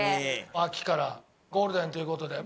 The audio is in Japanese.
秋からゴールデンという事で。